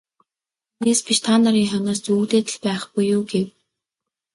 Түүнээс биш та нарын хойноос зүүгдээд л байхгүй юу гэв.